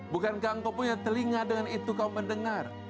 bukankah engkau punya telinga dengan itu kau mendengar